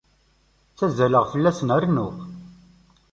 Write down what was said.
Ttẓallaɣ fell-asen rennuɣ.